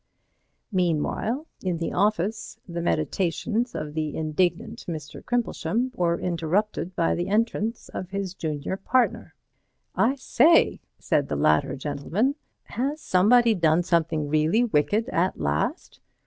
Meanwhile, in the office, the meditations of the indignant Mr. Crimplesham were interrupted by the entrance of his junior partner. "I say," said the latter gentleman, "has somebody done something really wicked at last?